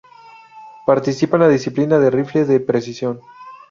Participa en la disciplina de rifle de precisión.